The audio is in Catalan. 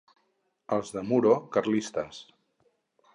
Els de Muro, carlistes.